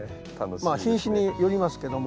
まあ品種によりますけども。